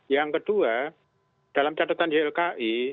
yang kedua dalam catatan ylki